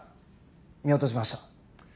見落としました。